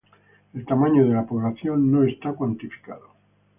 El tamaño de la población no está cuantificado.